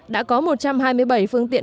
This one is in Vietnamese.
đã có một trăm hai mươi bảy phương tiện